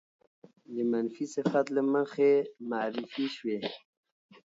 د منفي صفت له مخې معرفې شوې